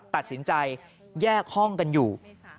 ตัดสินใจแยกห้องกันอยู่